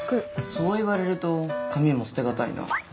そう言われると紙も捨て難いな。